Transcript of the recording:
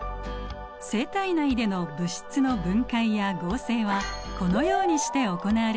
生体内での物質の分解や合成はこのようにして行われているのです。